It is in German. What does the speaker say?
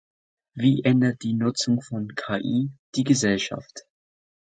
Wie ändert die Nutzung von KI die Gesellschaft?